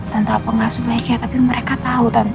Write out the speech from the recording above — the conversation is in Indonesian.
tante apa nggak supaya kayak tapi mereka tau tante